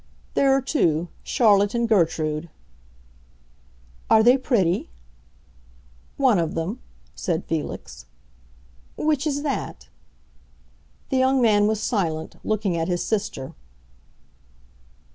"There are two, Charlotte and Gertrude." "Are they pretty?" "One of them," said Felix. "Which is that?" The young man was silent, looking at his sister.